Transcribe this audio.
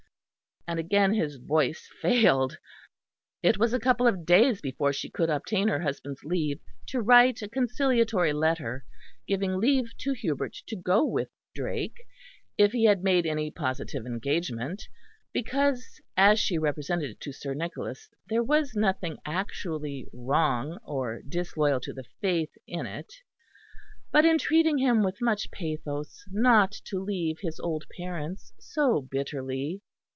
and again his voice failed. It was a couple of days before she could obtain her husband's leave to write a conciliatory letter, giving leave to Hubert to go with Drake, if he had made any positive engagement (because, as she represented to Sir Nicholas, there was nothing actually wrong or disloyal to the Faith in it) but entreating him with much pathos not to leave his old parents so bitterly.